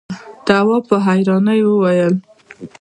تواب په حيرانۍ وويل: